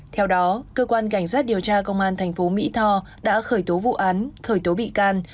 theo đó cơ quan cảnh sát điều tra công an thành phố mỹ tho đã khởi tố vụ án khởi tố bị can